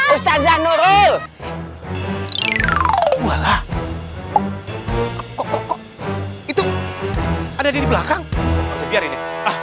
ustazah nurul itu ada di belakang biarin ya